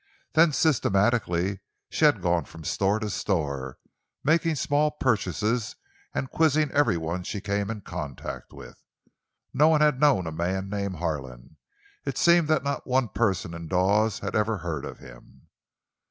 Then, systematically, she had gone from store to store—making small purchases and quizzing everyone she came in contact with. None had known a man named Harlan; it seemed that not one person in Dawes had ever heard of him.